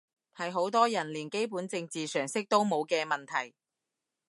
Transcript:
係好多人連基本政治常識都冇嘅問題